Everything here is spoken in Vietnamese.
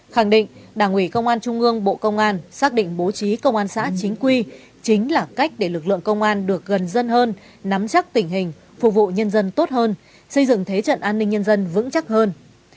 khẳng định đảng ủy công an trung ương bộ công an xác định bố trí công an xã chính quy chính là cách để lực lượng công an được gần dân hơn nắm chắc tình hình phục vụ nhân dân tốt hơn xây dựng thế trận an ninh nhân dân vững chắc hơn